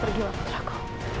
pergi bapak sarko